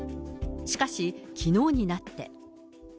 しかし、きのうになって。